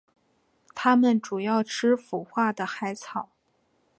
它们主要吃腐化的海草。